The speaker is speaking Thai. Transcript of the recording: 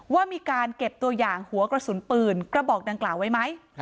ว่ามีการเก็บตัวอย่างหัวกระสุนปืนกระบอกดังกล่าวไว้ไหม